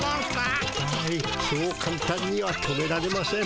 はいそうかんたんには止められません。